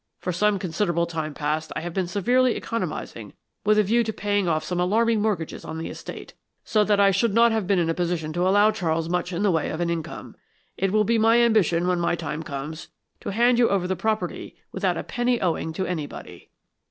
For some considerable time past I have been severely economising with a view to paying off some alarming mortgages on the estate, so that I should not have been in a position to allow Charles much in the way of an income. It will be my ambition when my time comes to hand you over the property without a penny owing to anybody."